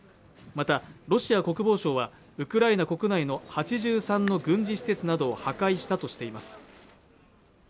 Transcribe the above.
またロシア国防省はウクライナ国内の８３の軍事施設などを破壊したとしています